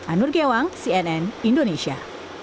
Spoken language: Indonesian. anur giewang cnn indonesia